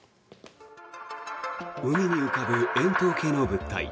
海に浮かぶ円筒形の物体。